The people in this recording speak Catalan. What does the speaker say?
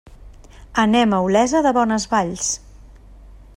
Anem a Olesa de Bonesvalls.